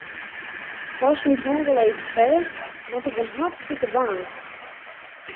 Hâldst myn hân wol even fêst, want ik bin hartstikke bang.